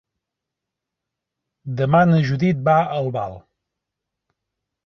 Demà na Judit va a Albal.